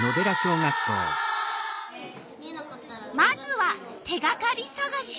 まずは手がかりさがし。